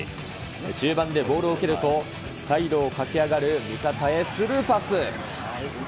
中盤でボールを受けると、サイドを駆け上がる味方へスルーパス。